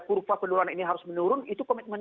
kurva penurunan ini harus menurun itu komitmen